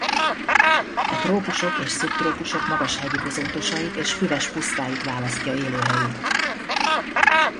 A trópusok és szubtrópusok magashegyi bozótosait és füves pusztáit választja élőhelyül.